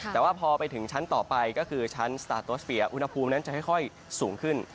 แต่ว่าพอไปถึงชั้นต่อไปก็คือชั้นอุณหภูมินั้นจะค่อยค่อยสูงขึ้น